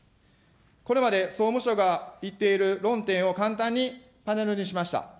これまで総務省が言っている論点を簡単にパネルにしました。